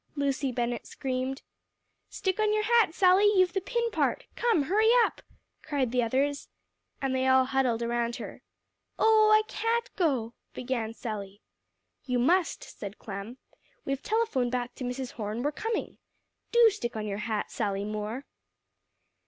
Lucy Bennett screamed. "Stick on your hat, Sally, you've the pin part. Come, hurry up!" cried the others. And they all huddled around her. "Oh, I can't go," began Sally. "You must," said Clem; "we've telephoned back to Mrs. Horne we're coming. Do stick on your hat, Sally Moore."